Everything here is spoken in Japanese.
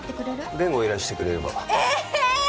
弁護を依頼してくれればえーッ！